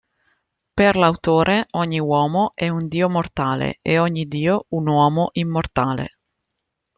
Per l'autore ogni uomo è un "dio mortale" e ogni dio un "uomo immortale".